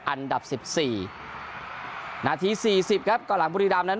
อันดับสิบสี่นาทีสี่สิบครับก่อนหลังบุรีรามนั้น